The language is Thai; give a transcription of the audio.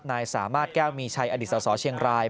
นายสามารถแก้วมีชัยอดีตสสเชียงราย